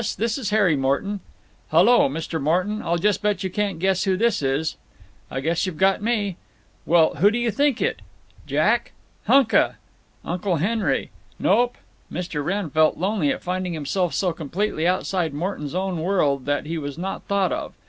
This is Harry Morton." "Hullo, Mr. Morton! I'll just bet you can't guess who this is." "I guess you've got me." "Well, who do you think it—" "Jack?" "Hunka." "Uncle Henry?" "Nope." Mr. Wrenn felt lonely at finding himself so completely outside Morton's own world that he was not thought of.